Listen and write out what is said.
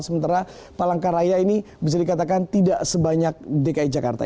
sementara palangkaraya ini bisa dikatakan tidak sebanyak dki jakarta